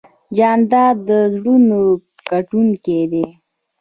جانداد د زړونو ګټونکی دی.